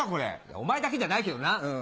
お前だけじゃないけどな。